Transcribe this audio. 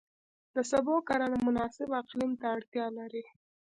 د سبو کرنه مناسب اقلیم ته اړتیا لري.